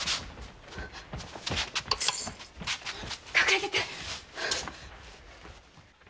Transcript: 隠れてて！